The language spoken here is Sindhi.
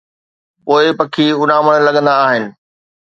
پوءِ پکي اُڏامڻ لڳندا آهن.